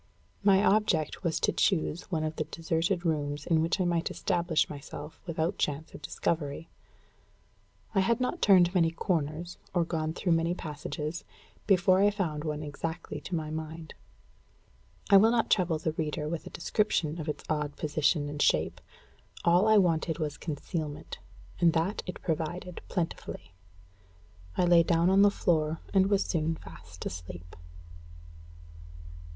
My object was to choose one of the deserted rooms in which I might establish myself without chance of discovery. I had not turned many corners, or gone through many passages, before I found one exactly to my mind. I will not trouble my reader with a description of its odd position and shape. All I wanted was concealment, and that it provided plentifully. I lay down on the floor, and was soon fast asleep.